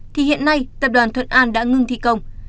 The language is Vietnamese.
thì hiện nay tập đoàn thuận an đã ngưng thi công